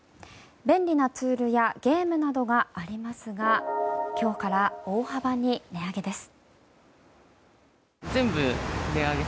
便利なツールやゲームなどがありますが今日から大幅に値上げです。